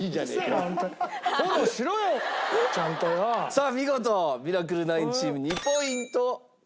さあ見事ミラクル９チーム２ポイント獲得。